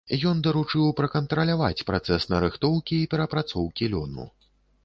Ён даручыў пракантраляваць працэс нарыхтоўкі і перапрацоўкі лёну.